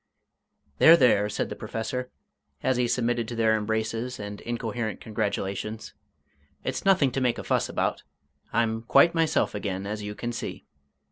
"There, there," said the Professor, as he submitted to their embraces and incoherent congratulations, "it's nothing to make a fuss about. I'm quite myself again, as you can see.